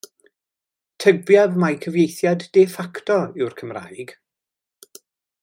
Tybiaf mai cyfieithiad de facto yw'r Cymraeg.